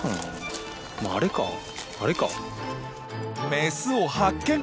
メスを発見！